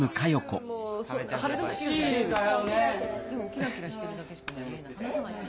キラキラしてるだけしか見えない。